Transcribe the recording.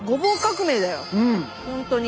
本当に。